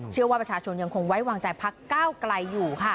เชื่อว่าประชาชนยังคงไว้วางใจพักก้าวไกลอยู่ค่ะ